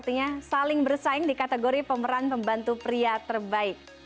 oke ini adalah pemeran pendukung pria terbaik aktor muda dan juga senior